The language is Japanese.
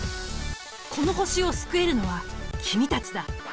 この星を救えるのは君たちだ。